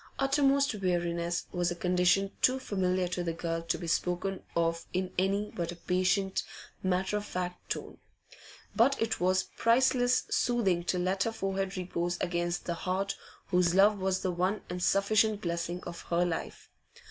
Uttermost weariness was a condition too familiar to the girl to be spoken of in any but a patient, matter of fact tone. But it was priceless soothing to let her forehead repose against the heart whose love was the one and sufficient blessing of her life.